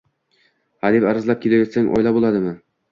Hadeb arazlab kelaversang, oila bo`ladimi